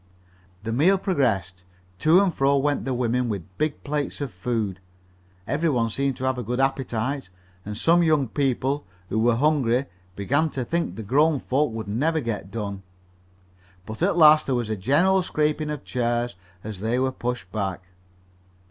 The meal progressed. To and fro went the women with big plates of food. Every one seemed to have a good appetite, and some young people, who were hungry, began to think the grown folks would never get done. But at last there was a general scraping of chairs as they were pushed back.